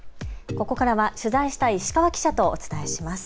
ここからは取材した石川記者とお伝えします。